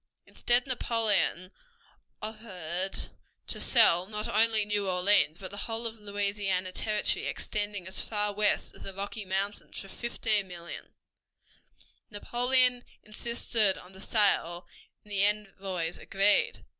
Instead Napoleon offered to sell not only New Orleans, but the whole of Louisiana Territory extending as far west as the Rocky Mountains for $15,000,000. Napoleon insisted on the sale, and the envoys agreed.